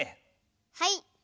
はい。